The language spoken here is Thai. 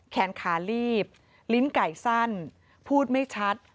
แขนขาลีบลิ้นไก่สั้นพูดไม่ชัด